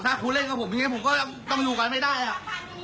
ถ้าคุณเล่นกับผมอย่างนี้ผมก็ต้องอยู่กันไม่ได้อ่ะ